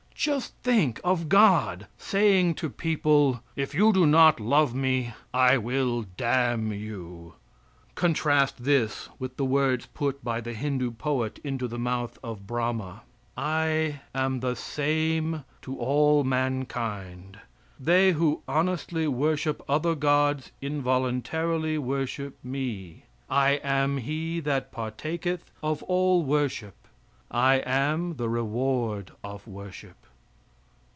Just think of God saying to people: "If you do not love Me I will damn you." Contrast this with the words put by the Hindoo poet into the mouth of Brahma: "I am the same to all mankind. The who honestly worship other gods involuntarily worship me. I am he that partaketh of all worship. I am the reward of worship."